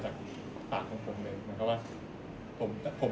ครับผม